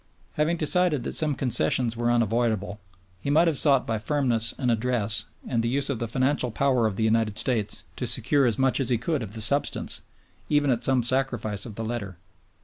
Having decided that some concessions were unavoidable, he might have sought by firmness and address and the use of the financial power of the United States to secure as much as he could of the substance, even at some sacrifice of the letter.